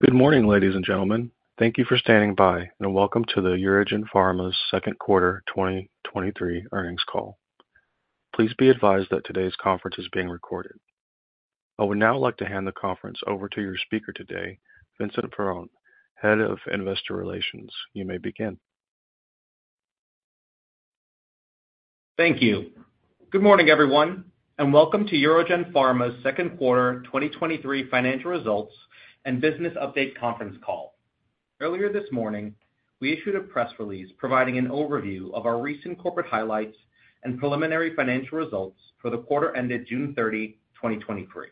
Good morning, ladies and gentlemen. Thank you for standing by and welcome to the UroGen Pharma's Q2 2023 earnings call. Please be advised that today's conference is being recorded. I would now like to hand the conference over to your speaker today, Vincent Perrone, Head of Investor Relations. You may begin. Thank you. Good morning, everyone. Welcome to UroGen Pharma's Q2 2023 financial results and business update conference call. Earlier this morning, we issued a press release providing an overview of our recent corporate highlights and preliminary financial results for the quarter ended June 30, 2023.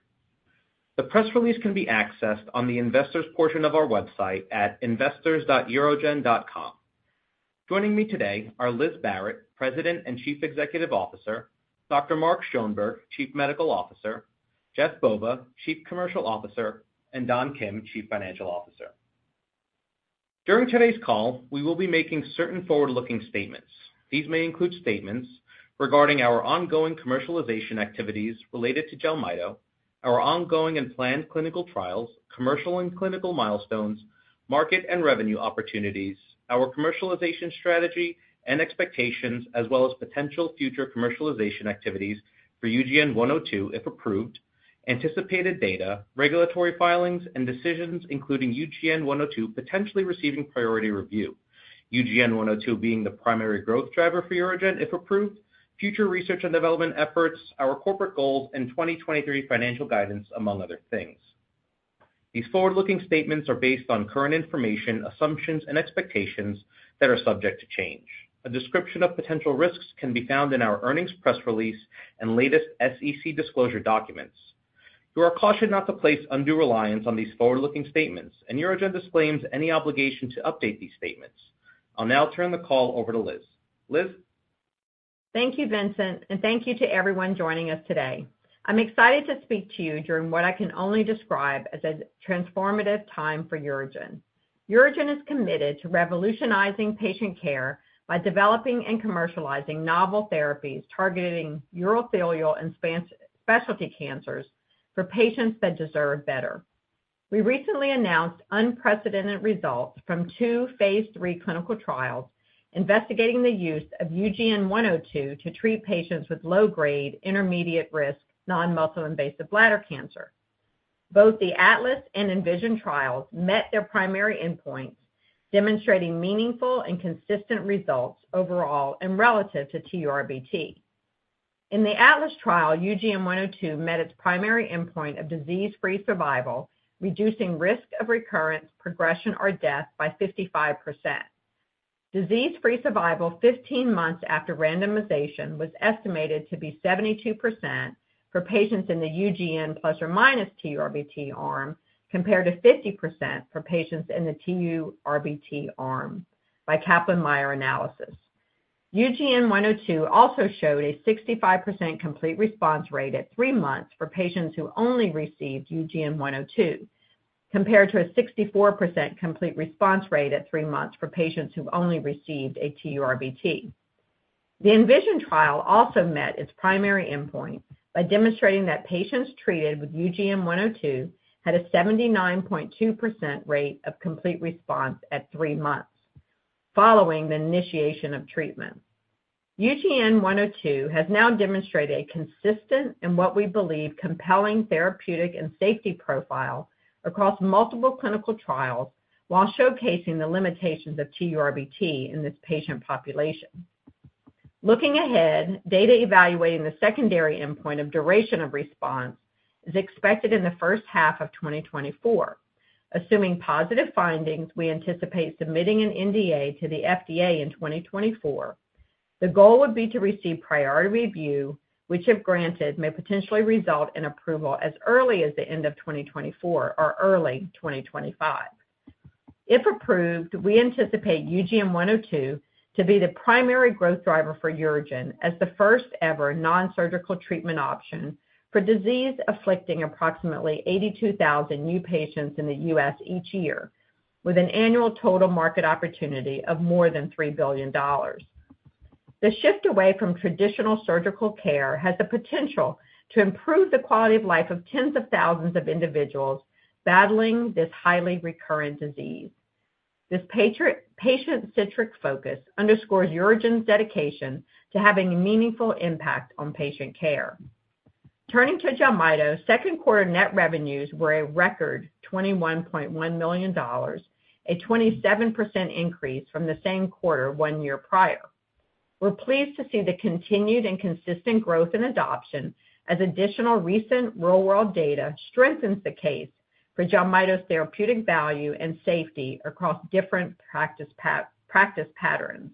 The press release can be accessed on the investors portion of our website at investors.urogen.com. Joining me today are Liz Barrett, President and Chief Executive Officer, Dr. Mark Schoenberg, Chief Medical Officer, Jeff Bova, Chief Commercial Officer, and Don Kim, Chief Financial Officer. During today's call, we will be making certain forward-looking statements. These may include statements regarding our ongoing commercialization activities related to Jelmyto, our ongoing and planned clinical trials, commercial and clinical milestones, market and revenue opportunities, our commercialization strategy and expectations, as well as potential future commercialization activities for UGN-102, if approved, anticipated data, regulatory filings and decisions, including UGN-102, potentially receiving priority review. UGN-102 being the primary growth driver for UroGen, if approved, future research and development efforts, our corporate goals, and 2023 financial guidance, among other things. These forward-looking statements are based on current information, assumptions, and expectations that are subject to change. A description of potential risks can be found in our earnings press release and latest SEC disclosure documents. You are cautioned not to place undue reliance on these forward-looking statements, and UroGen disclaims any obligation to update these statements. I'll now turn the call over to Liz. Liz? Thank you, Vincent, and thank you to everyone joining us today. I'm excited to speak to you during what I can only describe as a transformative time for UroGen. UroGen is committed to revolutionizing patient care by developing and commercializing novel therapies targeting urothelial and specialty cancers for patients that deserve better. We recently announced unprecedented results from two phase III clinical trials investigating the use of UGN-102 to treat patients with low-grade, intermediate-risk, non-muscle invasive bladder cancer. Both the ATLAS and ENVISION trials met their primary endpoints, demonstrating meaningful and consistent results overall and relative to TURBT. In the ATLAS trial, UGN-102 met its primary endpoint of disease-free survival, reducing risk of recurrence, progression, or death by 55%. Disease-free survival, 15 months after randomization, was estimated to be 72% for patients in the UGN ± TURBT arm, compared to 50% for patients in the TURBT arm by Kaplan-Meier analysis. UGN102 also showed a 65% complete response rate at three months for patients who only received UGN102, compared to a 64% complete response rate at three months for patients who've only received a TURBT. The ENVISION trial also met its primary endpoint by demonstrating that patients treated with UGN102 had a 79.2% rate of complete response at three months following the initiation of treatment. UGN102 has now demonstrated a consistent and what we believe compelling therapeutic and safety profile across multiple clinical trials, while showcasing the limitations of TURBT in this patient population. Looking ahead, data evaluating the secondary endpoint of duration of response is expected in the first half of 2024. Assuming positive findings, we anticipate submitting an NDA to the FDA in 2024. The goal would be to receive priority review, which, if granted, may potentially result in approval as early as the end of 2024 or early 2025. If approved, we anticipate UGN-102 to be the primary growth driver for UroGen as the first-ever non-surgical treatment option for disease afflicting approximately 82,000 new patients in the US each year, with an annual total market opportunity of more than $3 billion. The shift away from traditional surgical care has the potential to improve the quality of life of tens of thousands of individuals battling this highly recurrent disease. This patient-centric focus underscores UroGen's dedication to having a meaningful impact on patient care. Turning to Jelmyto, Q2 net revenues were a record $21.1 million, a 27% increase from the same quarter one year prior. We're pleased to see the continued and consistent growth in adoption as additional recent real-world data strengthens the case for Jelmyto's therapeutic value and safety across different practice patterns.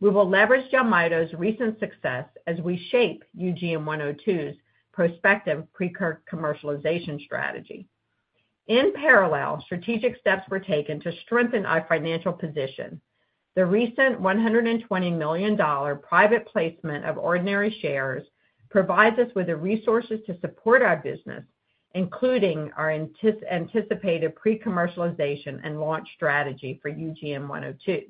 We will leverage Jelmyto's recent success as we shape UGN-102's prospective pre-commercialization strategy. In parallel, strategic steps were taken to strengthen our financial position. The recent $120 million private placement of ordinary shares provides us with the resources to support our business, including our anticipated pre-commercialization and launch strategy for UGN-102.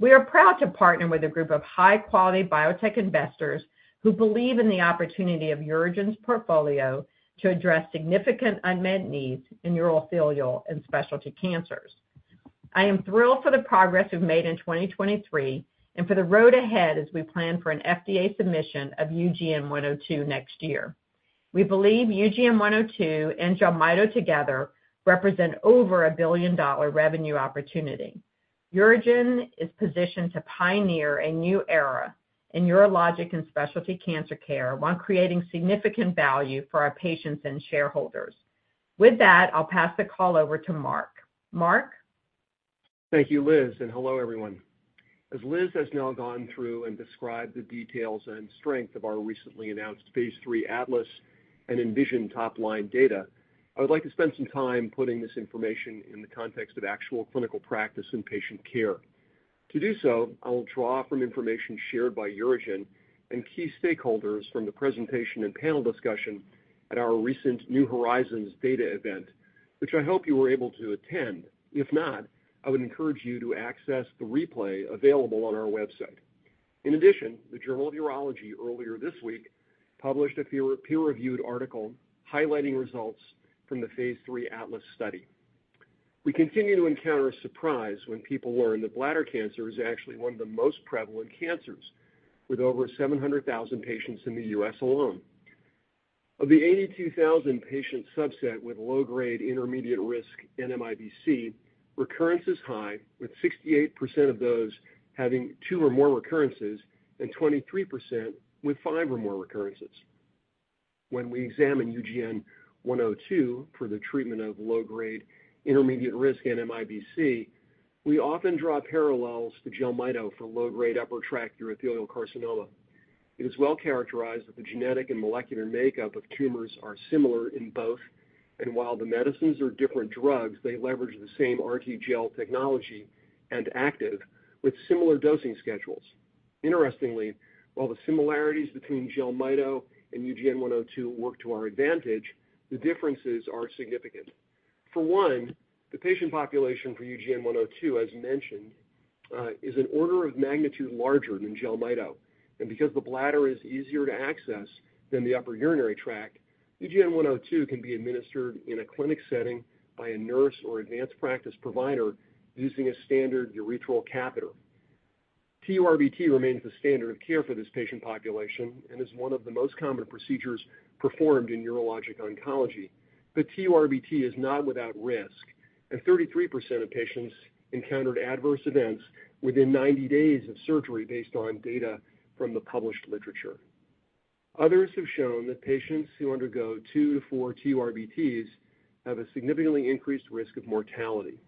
We are proud to partner with a group of high-quality biotech investors who believe in the opportunity of UroGen's portfolio to address significant unmet needs in urothelial and specialty cancers. I am thrilled for the progress we've made in 2023 and for the road ahead as we plan for an FDA submission of UGN-102 next year. We believe UGN-102 and Jelmyto together represent over a billion-dollar revenue opportunity. UroGen is positioned to pioneer a new era in urologic and specialty cancer care, while creating significant value for our patients and shareholders. With that, I'll pass the call over to Mark. Mark? Thank you, Liz. Hello, everyone. As Liz has now gone through and described the details and strength of our recently announced phase III ATLAS and ENVISION top-line data, I would like to spend some time putting this information in the context of actual clinical practice and patient care. To do so, I will draw from information shared by UroGen and key stakeholders from the presentation and panel discussion at our recent New Horizons data event, which I hope you were able to attend. If not, I would encourage you to access the replay available on our website. In addition, The Journal of Urology, earlier this week, published a peer-reviewed article highlighting results from the phase III ATLAS study. We continue to encounter a surprise when people learn that bladder cancer is actually one of the most prevalent cancers, with over 700,000 patients in the U.S. alone. Of the 82,000 patient subset with low-grade intermediate-risk NMIBC, recurrence is high, with 68% of those having 2 or more recurrences and 23% with 5 or more recurrences. When we examine UGN-102 for the treatment of low-grade intermediate-risk NMIBC, we often draw parallels to Jelmyto for low-grade upper tract urothelial carcinoma. It is well characterized that the genetic and molecular makeup of tumors are similar in both, and while the medicines are different drugs, they leverage the same RTGel technology and active with similar dosing schedules. Interestingly, while the similarities between Jelmyto and UGN-102 work to our advantage, the differences are significant. For one, the patient population for UGN-102, as mentioned, is an order of magnitude larger than Jelmyto. Because the bladder is easier to access than the upper urinary tract, UGN-102 can be administered in a clinic setting by a nurse or advanced practice provider using a standard urethral catheter. TURBT remains the standard of care for this patient population and is one of the most common procedures performed in urologic oncology. TURBT is not without risk, and 33% of patients encountered adverse events within 90 days of surgery based on data from the published literature. Others have shown that patients who undergo 2-4 TURBTs have a significantly increased risk of mortality.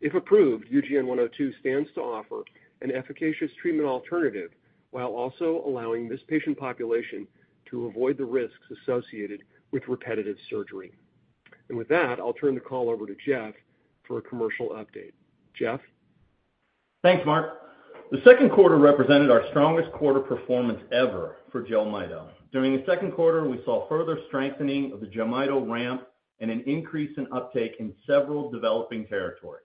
If approved, UGN-102 stands to offer an efficacious treatment alternative, while also allowing this patient population to avoid the risks associated with repetitive surgery. With that, I'll turn the call over to Jeff for a commercial update. Jeff? Thanks, Mark. The Q2 represented our strongest quarter performance ever for Jelmyto. During the Q2, we saw further strengthening of the Jelmyto ramp and an increase in uptake in several developing territories.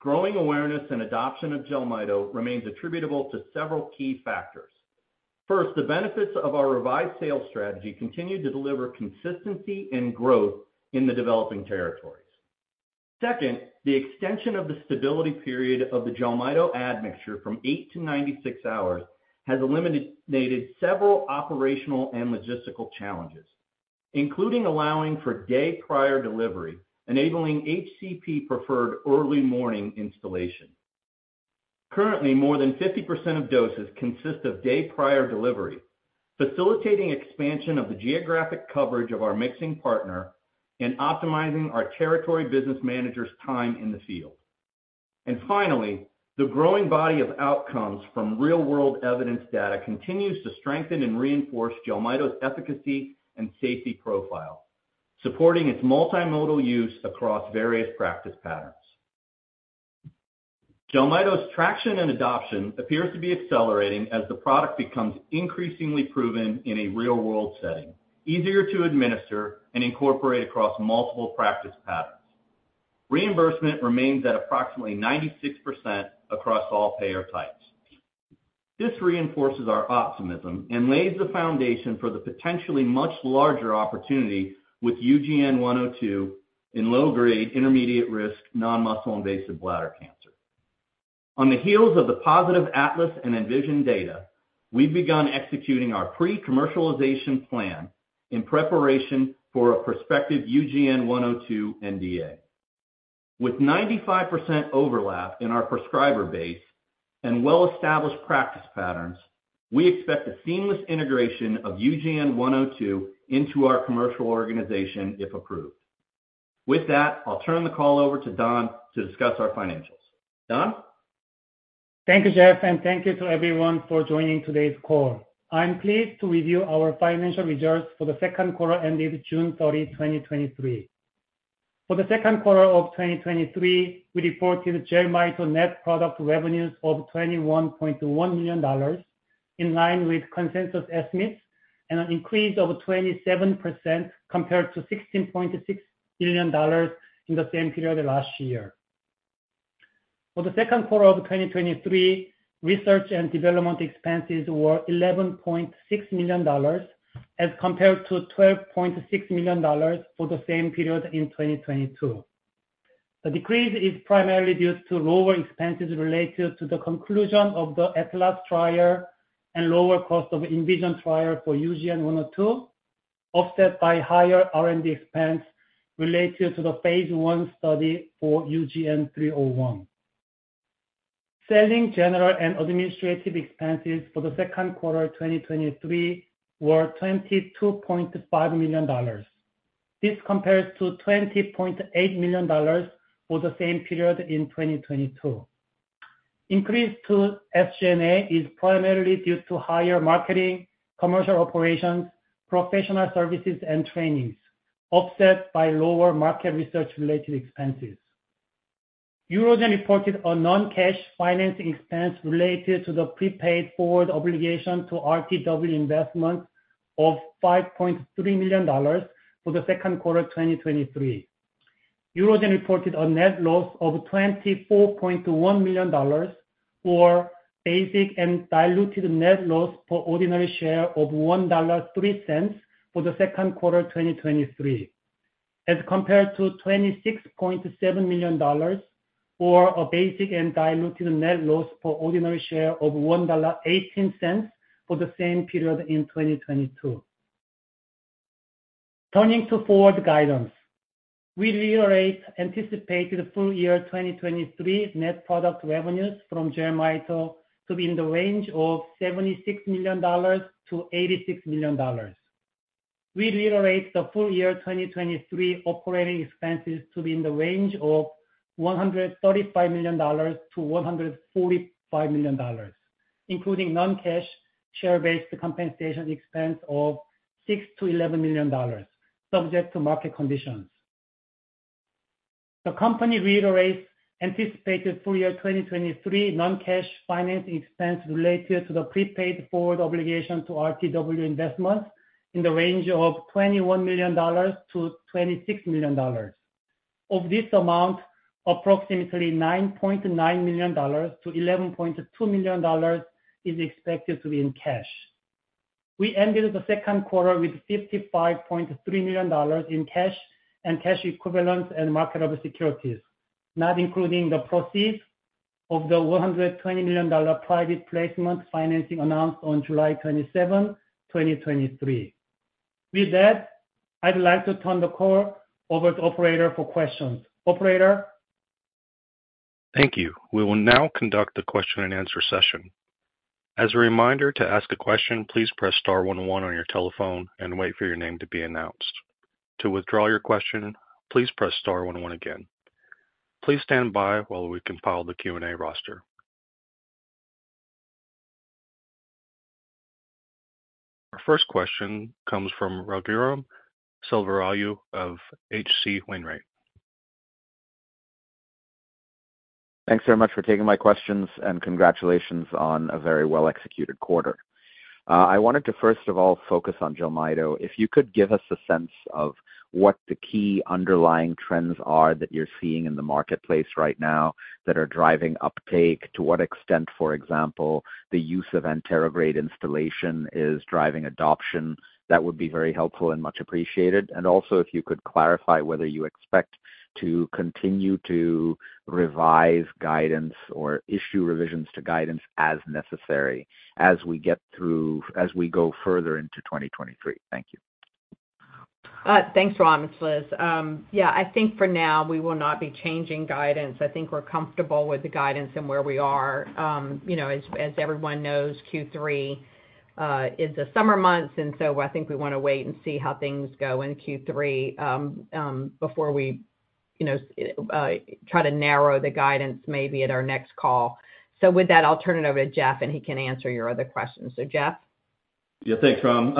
Growing awareness and adoption of Jelmyto remains attributable to several key factors. First, the benefits of our revised sales strategy continue to deliver consistency and growth in the developing territories. Second, the extension of the stability period of the Jelmyto admixture from 8 to 96 hours has eliminated several operational and logistical challenges, including allowing for day-prior delivery, enabling HCP preferred early morning installation. Currently, more than 50% of doses consist of day-prior delivery, facilitating expansion of the geographic coverage of our mixing partner and optimizing our Territory Business Managers' time in the field. Finally, the growing body of outcomes from real-world evidence data continues to strengthen and reinforce Jelmyto's efficacy and safety profile, supporting its multimodal use across various practice patterns. Jelmyto's traction and adoption appears to be accelerating as the product becomes increasingly proven in a real-world setting, easier to administer and incorporate across multiple practice patterns. Reimbursement remains at approximately 96% across all payer types. This reinforces our optimism and lays the foundation for the potentially much larger opportunity with UGN-102 in low-grade, intermediate-risk, non-muscle invasive bladder cancer. On the heels of the positive ATLAS and ENVISION data, we've begun executing our pre-commercialization plan in preparation for a prospective UGN-102 NDA. With 95% overlap in our prescriber base and well-established practice patterns, we expect a seamless integration of UGN-102 into our commercial organization, if approved. With that, I'll turn the call over to Don to discuss our financials. Don? Thank you, Jeff, and thank you to everyone for joining today's call. I'm pleased to review our financial results for the Q2 ended June 30, 2023. For the Q2 of 2023, we reported Jelmyto net product revenues of $21.1 million in line with consensus estimates and an increase of 27% compared to $16.6 million in the same period last year. For the Q2 of 2023, research and development expenses were $11.6 million, as compared to $12.6 million for the same period in 2022. The decrease is primarily due to lower expenses related to the conclusion of the ATLAS trial and lower cost of ENVISION trial for UGN-102, offset by higher R&D expense related to the phase I study for UGN-301. Selling, general, and administrative expenses for the Q2 2023 were $22.5 million. This compares to $20.8 million for the same period in 2022. Increase to SG&A is primarily due to higher marketing, commercial operations, professional services, and trainings, offset by lower market research-related expenses. UroGen reported a non-cash financing expense related to the prepaid forward obligation to RTW Investments of $5.3 million for the Q2 of 2023. UroGen reported a net loss of $24.1 million for basic and diluted net loss per ordinary share of $1.03 for the second quarter 2023, as compared to $26.7 million for a basic and diluted net loss per ordinary share of $1.18 for the same period in 2022. Turning to forward guidance. We reiterate anticipated full year 2023 net product revenues from Jelmyto to be in the range of $76 million to $86 million. We reiterate the full year 2023 operating expenses to be in the range of $135 million to $145 million, including non-cash share-based compensation expense of $6 million to $11 million, subject to market conditions. The company reiterates anticipated full year 2023 non-cash finance expense related to the prepaid forward obligation to RTW Investments in the range of $21 million to $26 million. Of this amount, approximately $9.9 million to $11.2 million is expected to be in cash. We ended the Q2 with $55.3 million in cash and cash equivalents and marketable securities, not including the proceeds of the $120 million private placement financing announced on July 27, 2023. With that, I'd like to turn the call over to Operator for questions. Operator? Thank you. We will now conduct a question-and-answer session. As a reminder, to ask a question, please press star one one on your telephone and wait for your name to be announced. To withdraw your question, please press star one one again. Please stand by while we compile the Q&A roster. Our first question comes from Raghuram Selvaraju of H.C. Wainwright. Thanks very much for taking my questions, and congratulations on a very well-executed quarter. I wanted to, first of all, focus on Jelmyto. If you could give us a sense of what the key underlying trends are that you're seeing in the marketplace right now that are driving uptake. To what extent, for example, the use of anterograde installation is driving adoption, that would be very helpful and much appreciated. Also, if you could clarify whether you expect to continue to revise guidance or issue revisions to guidance as necessary as we go further into 2023. Thank you. Thanks, Ram, it's Liz. Yeah, I think for now, we will not be changing guidance. I think we're comfortable with the guidance and where we are. You know, as, as everyone knows, Q3 is the summer months, I think we wanna wait and see how things go in Q3 before we, you know, try to narrow the guidance, maybe at our next call. With that, I'll turn it over to Jeff, and he can answer your other questions. Jeff? Yeah, thanks, Ram.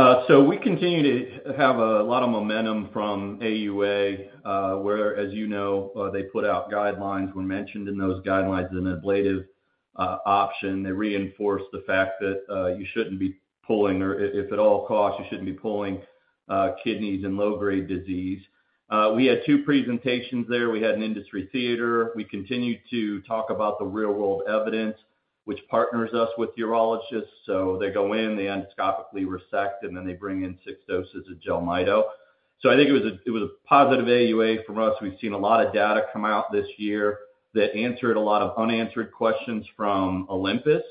We continue to have a lot of momentum from AUA, where, as you know, they put out guidelines. We're mentioned in those guidelines an ablative option. They reinforce the fact that you shouldn't be pulling or if at all costs, you shouldn't be pulling kidneys in low-grade disease. We had two presentations there. We had an Industry Theater. We continued to talk about the real-world evidence, which partners us with urologists. They go in, they endoscopically resect, and then they bring in six doses of Jelmyto. I think it was a, it was a positive AUA from us. We've seen a lot of data come out this year that answered a lot of unanswered questions from Olympus,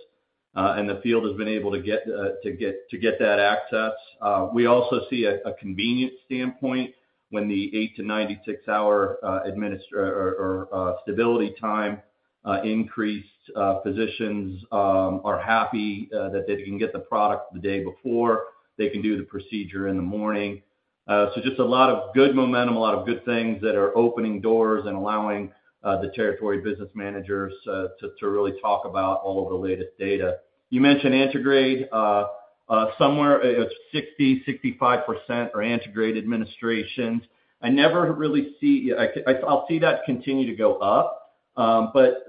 the field has been able to get that access. We also see a convenience standpoint when the 8-96 hour administer or stability time increased. Physicians are happy that they can get the product the day before. They can do the procedure in the morning. Just a lot of good momentum, a lot of good things that are opening doors and allowing the territory business managers to really talk about all of the latest data. You mentioned Antegrade, somewhere, it's 60-65% are Antegrade administrations. I'll see that continue to go up.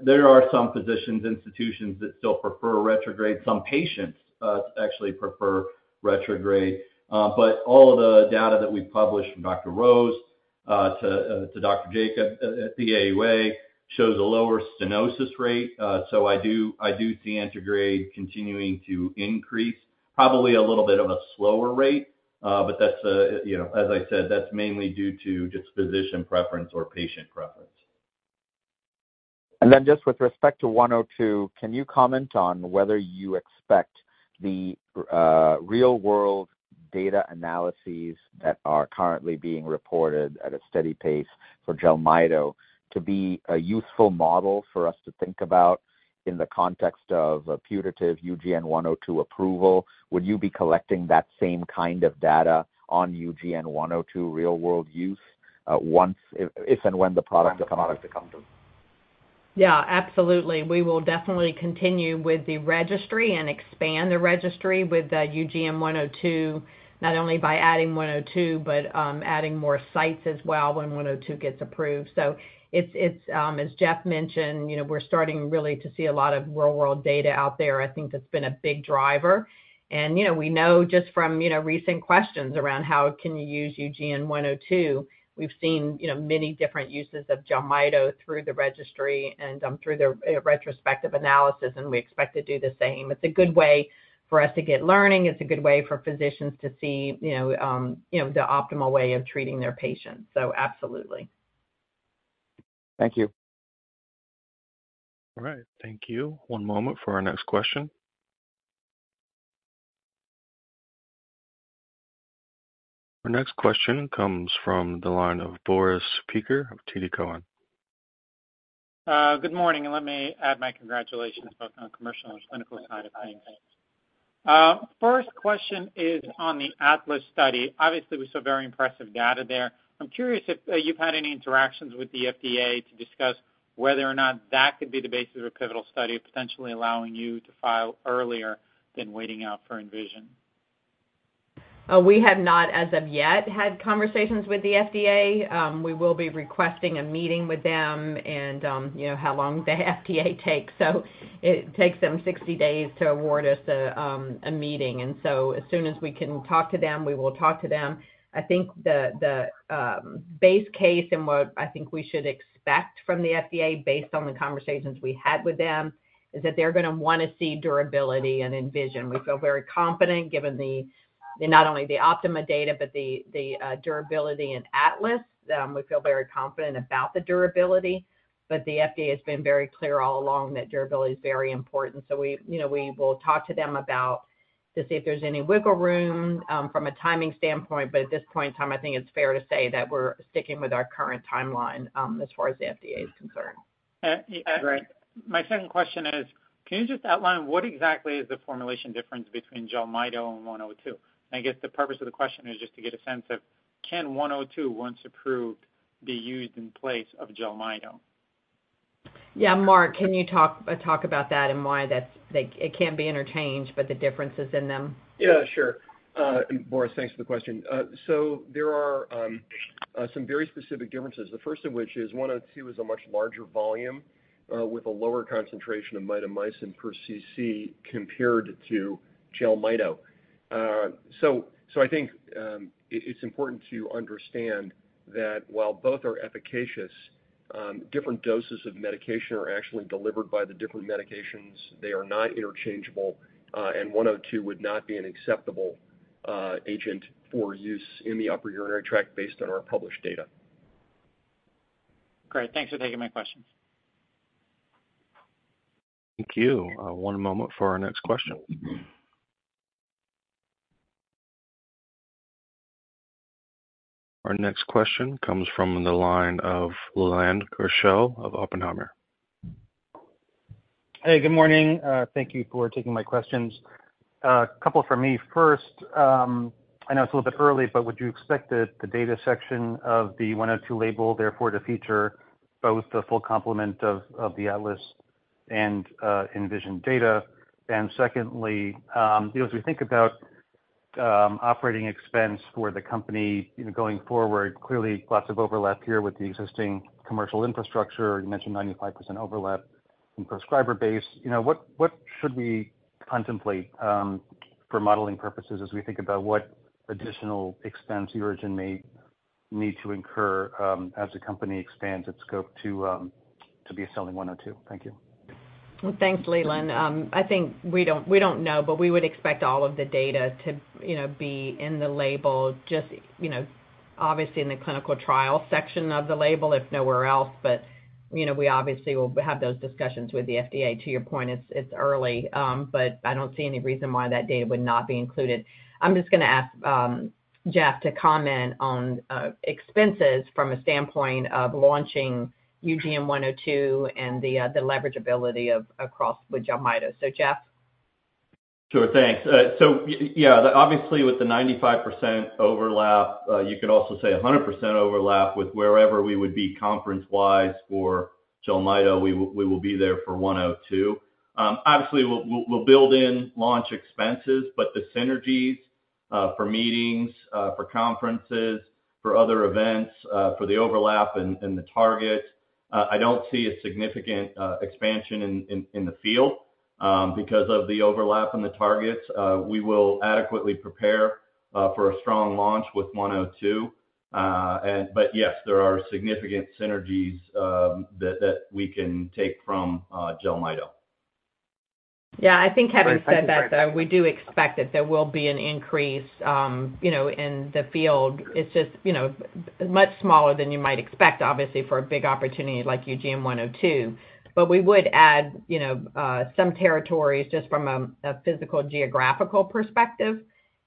There are some physicians, institutions that still prefer retrograde. Some patients actually prefer retrograde. All of the data that we've published from Dr. Rose to to Dr. Jacob at, at the AUA, shows a lower stenosis rate. I do, I do see anterograde continuing to increase, probably a little bit of a slower rate, but that's a, you know, as I said, that's mainly due to just physician preference or patient preference. Then just with respect to UGN-102, can you comment on whether you expect the real-world data analyses that are currently being reported at a steady pace for Jelmyto to be a useful model for us to think about in the context of a putative UGN-102 approval? Would you be collecting that same kind of data on UGN-102 real-world use, once if, if, and when the product, the product comes in? Yeah, absolutely. We will definitely continue with the registry and expand the registry with the UGN-102, not only by adding 102, but adding more sites as well when 102 gets approved. It's, it's as Jeff mentioned, you know, we're starting really to see a lot of real-world data out there. I think that's been a big driver. You know, we know just from, you know, recent questions around how can you use UGN-102, we've seen, you know, many different uses of Jelmyto through the registry and through the retrospective analysis, and we expect to do the same. It's a good way for us to get learning. It's a good way for physicians to see, you know, you know, the optimal way of treating their patients. Absolutely. Thank you. All right. Thank you. One moment for our next question. Our next question comes from the line of Boris Peaker of TD Cowen. Good morning, let me add my congratulations, both on the commercial and clinical side of things. First question is on the ATLAS study. Obviously, we saw very impressive data there. I'm curious if you've had any interactions with the FDA to discuss whether or not that could be the basis of a pivotal study, potentially allowing you to file earlier than waiting out for ENVISION? We have not, as of yet, had conversations with the FDA. We will be requesting a meeting with them, you know, how long the FDA takes. It takes them 60 days to award us a meeting. As soon as we can talk to them, we will talk to them. I think the, the base case and what I think we should expect from the FDA, based on the conversations we had with them, is that they're gonna wanna see durability in ENVISION. We feel very confident, given the, the not only the OPTIMA data, but the, the durability in ATLAS. We feel very confident about the durability, the FDA has been very clear all along that durability is very important. We, you know, we will talk to them about to see if there's any wiggle room from a timing standpoint, but at this point in time, I think it's fair to say that we're sticking with our current timeline as far as the FDA is concerned. Yeah, great. My second question is: Can you just outline what exactly is the formulation difference between Jelmyto and UGN-102? I guess the purpose of the question is just to get a sense of, can UGN-102, once approved, be used in place of Jelmyto? Yeah, Mark, can you talk, talk about that and why that's, it can't be interchanged, but the differences in them? Yeah, sure. Boris, thanks for the question. There are some very specific differences, the first of which is UGN-102 is a much larger volume with a lower concentration of mitomycin per cc compared to Jelmyto. I think it's important to understand that while both are efficacious, different doses of medication are actually delivered by the different medications. They are not interchangeable, and UGN-102 would not be an acceptable agent for use in the upper urinary tract based on our published data. Great. Thanks for taking my questions. Thank you. One moment for our next question. Our next question comes from the line of Leland Gershell of Oppenheimer. Hey, good morning. Thank you for taking my questions. A couple from me. First, I know it's a little bit early, but would you expect that the data section of the UGN-102 label, therefore, to feature both the full complement of the ATLAS and ENVISION data? Secondly, you know, as we think about operating expense for the company, you know, going forward, clearly lots of overlap here with the existing commercial infrastructure. You mentioned 95% overlap in prescriber base. You know, what should we contemplate for modeling purposes as we think about what additional expense UroGen may need to incur as the company expands its scope to be selling UGN-102? Thank you. Well, thanks, Leland. I think we don't, we don't know, but we would expect all of the data to, you know, be in the label, just, you know, obviously in the clinical trial section of the label, if nowhere else. We obviously will have those discussions with the FDA. To your point, it's, it's early, I don't see any reason why that data would not be included. I'm just gonna ask Jeff to comment on expenses from a standpoint of launching UGN-102 and the leverageability of, across with Jelmyto. Jeff? Sure, thanks. Yeah, obviously, with the 95% overlap, you could also say 100% overlap with wherever we would be conference-wise for Jelmyto, we will, we will be there for UGN-102. Obviously, we'll, we'll, we'll build in launch expenses, the synergies... for meetings, for conferences, for other events, for the overlap and, and the target. I don't see a significant expansion in, in, in the field because of the overlap in the targets. We will adequately prepare for a strong launch with one zero two. Yes, there are significant synergies that, that we can take from Jelmyto. Yeah, I think having said that, though, we do expect that there will be an increase, you know, in the field. It's just, you know, much smaller than you might expect, obviously, for a big opportunity like UGN-102. We would add, you know, some territories just from a physical, geographical perspective.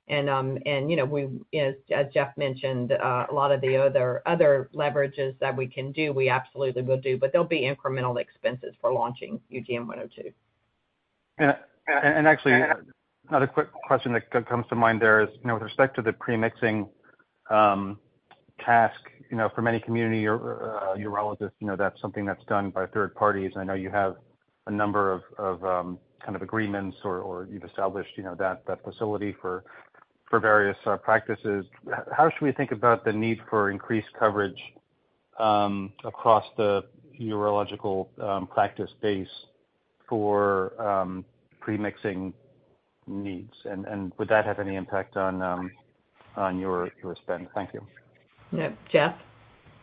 And, you know, we as Jeff mentioned, a lot of the other, other leverages that we can do, we absolutely will do, but there'll be incremental expenses for launching UGN-102. Yeah. Actually, another quick question that comes to mind there is, you know, with respect to the premixing task, you know, for many community or urologists, you know, that's something that's done by third parties. I know you have a number of, of kind of agreements or, or you've established, you know, that, that facility for, for various practices. How should we think about the need for increased coverage across the urological practice base for premixing needs? Would that have any impact on your, your spend? Thank you. Yeah. Jeff?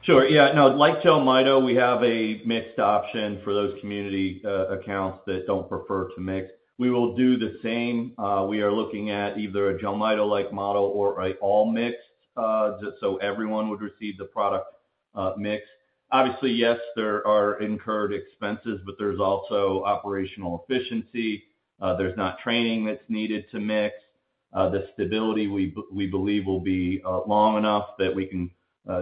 Sure. Yeah. No, like Jelmyto, we have a mixed option for those community accounts that don't prefer to mix. We will do the same. We are looking at either a Jelmyto-like model or a all mixed, so everyone would receive the product mixed. Obviously, yes, there are incurred expenses, but there's also operational efficiency. There's not training that's needed to mix. The stability, we believe will be long enough that we can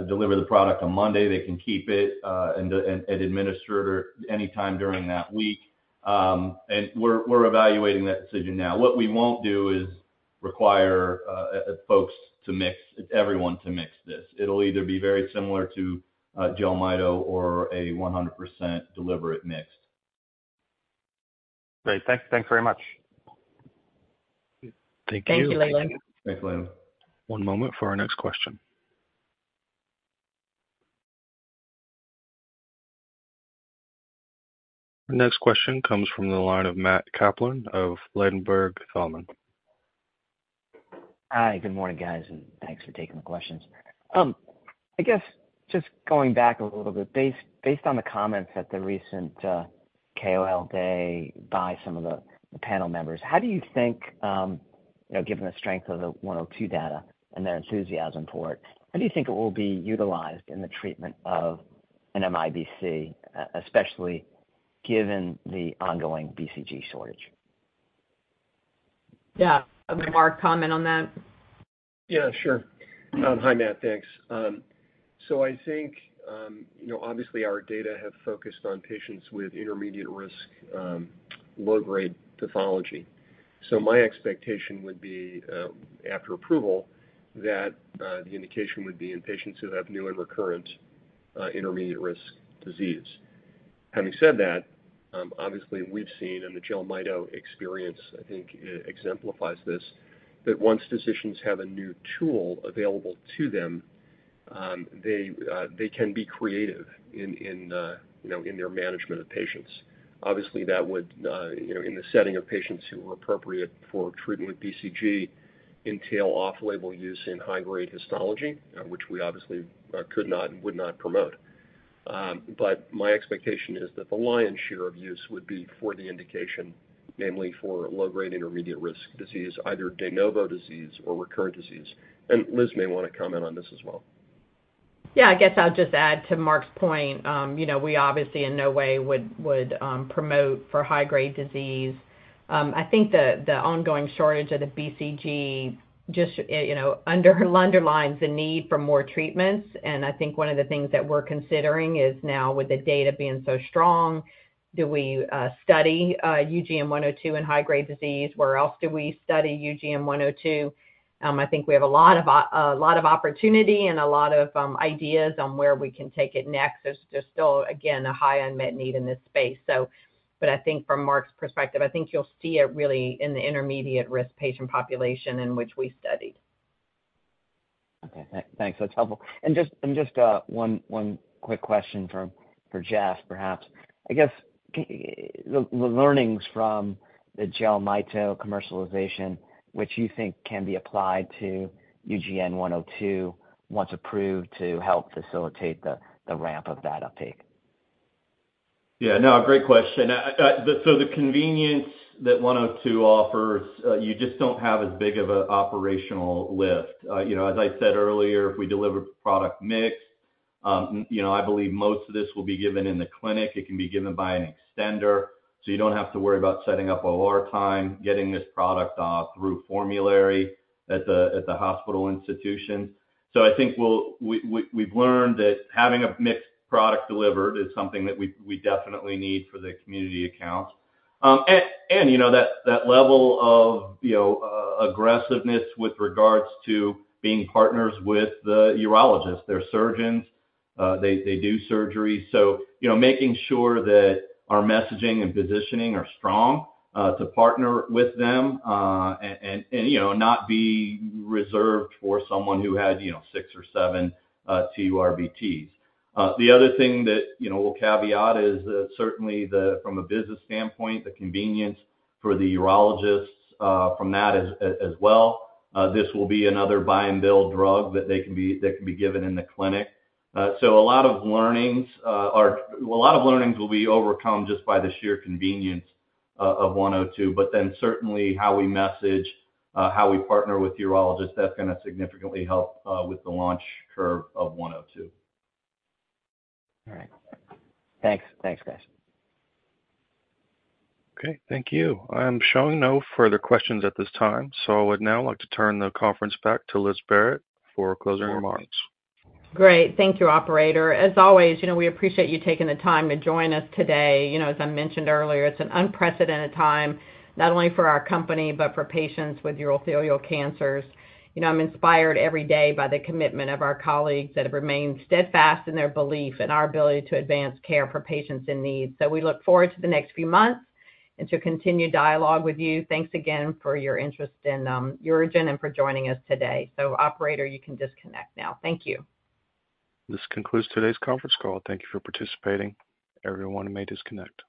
deliver the product on Monday, they can keep it and administer it or anytime during that week. We're evaluating that decision now. What we won't do is require folks to mix, everyone to mix this. It'll either be very similar to Jelmyto or a 100% deliver it mixed. Great. Thanks. Thanks very much. Thank you. Thank you, Leland. Thanks, Leland. One moment for our next question. Our next question comes from the line of Matthew Kaplan of Ladenburg Thalmann. Hi, good morning, guys. Thanks for taking the questions. I guess just going back a little bit, based on the comments at the recent KOL day by some of the panel members, how do you think, you know, given the strength of the UGN-102 data and their enthusiasm for it, how do you think it will be utilized in the treatment of MIBC, especially given the ongoing BCG shortage? Yeah. Mark, comment on that? Yeah, sure. Hi, Matt. Thanks. So I think, you know, obviously, our data have focused on patients with intermediate risk, low-grade pathology. So my expectation would be, after approval, that the indication would be in patients who have new and recurrent, intermediate risk disease. Having said that, obviously, we've seen, and the Jelmyto experience I think, exemplifies this, that once physicians have a new tool available to them, they can be creative in, in, you know, in their management of patients. Obviously, that would, you know, in the setting of patients who are appropriate for treatment with BCG, entail off-label use in high-grade histology, which we obviously, could not and would not promote. My expectation is that the lion's share of use would be for the indication, namely for low-grade intermediate risk disease, either de novo disease or recurrent disease. Liz may want to comment on this as well. Yeah, I guess I'll just add to Mark's point. You know, we obviously in no way would, would promote for high-grade disease. I think the, the ongoing shortage of the BCG just, you know, underlines the need for more treatments. I think one of the things that we're considering is now with the data being so strong, do we study UGN-102 in high-grade disease? Where else do we study UGN-102? I think we have a lot of opportunity and a lot of ideas on where we can take it next. There's just still, again, a high unmet need in this space, so. I think from Mark's perspective, I think you'll see it really in the intermediate risk patient population in which we studied. Okay. Thanks. That's helpful. Just one quick question for Jeff, perhaps. I guess, the learnings from the Jelmyto commercialization, which you think can be applied to UGN-102, once approved, to help facilitate the ramp of that uptake? Yeah, no, great question. The, so the convenience that UGN-102 offers, you just don't have as big of a operational lift. You know, as I said earlier, if we deliver product mixed, you know, I believe most of this will be given in the clinic. It can be given by an extender, so you don't have to worry about setting up OR time, getting this product through formulary at the, at the hospital institution. I think we'll. We, we, we've learned that having a mixed product delivered is something that we, we definitely need for the community accounts. And, and, you know, that, that level of, you know, aggressiveness with regards to being partners with the urologist. They're surgeons, they, they do surgery. You know, making sure that our messaging and positioning are strong, to partner with them, and, and, and, you know, not be reserved for someone who has, you know, 6 or 7 TURBTs. The other thing that, you know, we'll caveat is that certainly the from a business standpoint, the convenience for the urologists, from that as, as, as well. This will be another buy and bill drug that can be given in the clinic. A lot of learnings will be overcome just by the sheer convenience of UGN-102. Certainly how we message, how we partner with urologists, that's going to significantly help with the launch curve of UGN-102. All right. Thanks. Thanks, guys. Okay, thank you. I'm showing no further questions at this time. I would now like to turn the conference back to Liz Barrett for closing remarks. Great. Thank you, operator. As always, you know, we appreciate you taking the time to join us today. You know, as I mentioned earlier, it's an unprecedented time, not only for our company, but for patients with urothelial cancers. You know, I'm inspired every day by the commitment of our colleagues that have remained steadfast in their belief in our ability to advance care for patients in need. We look forward to the next few months and to continue dialogue with you. Thanks again for your interest in UroGen, and for joining us today. Operator, you can disconnect now. Thank you. This concludes today's conference call. Thank you for participating. Everyone may disconnect.